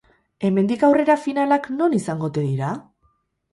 Hemendik aurrera finalak non izango ote dira?